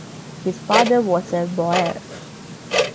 His father was a Boer.